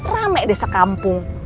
rame deh sekampung